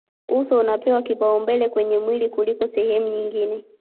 uso unapewa kipaumbele kwenye mwili kuliko sehemu nyingine